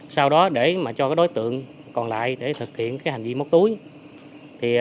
sau đó để cho đối tượng còn lại để thực hiện hành vi móc túi